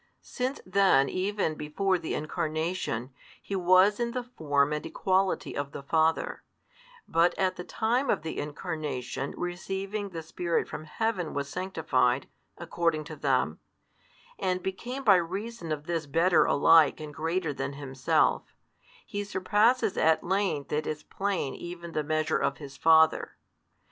Since then even before the Incarnation, He was in the form and equality of the Father, but at the time of the Incarnation receiving the Spirit from Heaven was sanctified, according to them, and became by reason of this better alike and greater than Himself, He surpasses at length it is plain even the measure of His Father.